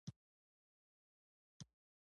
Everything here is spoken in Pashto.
زه خوشحاله شوم چې سوال به مې حل شي.